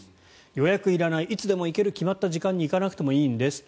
予約いらない、いつでも行ける決まった時間に行かなくてもいいんです。